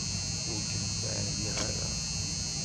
Ur kem-ttɛerriɣ ara.